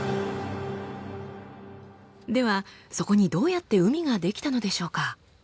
ではそこにどうやって海が出来たのでしょうか？